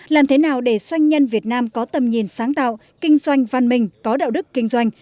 làm thế nào để doanh nhân việt nam có tầm nhìn sáng tạo kinh doanh văn minh có đạo đức kinh doanh